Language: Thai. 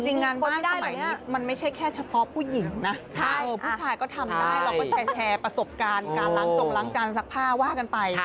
งานไหว้แบบนี้มันไม่ใช่แค่เฉพาะผู้หญิงนะผู้ชายก็ทำได้เราก็แชร์ประสบการณ์การล้างจงล้างจานซักผ้าว่ากันไป